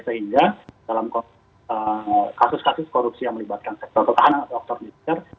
sehingga dalam kasus kasus korupsi yang melibatkan sektor pertahanan atau faktor militer